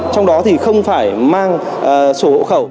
trong đó thì không phải mang sổ hộ khẩu